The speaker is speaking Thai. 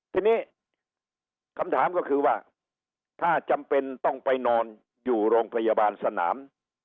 ทีนี้คำถามก็คือว่าถ้าจำเป็นต้องไปนอนอยู่โรงพยาบาลสนาม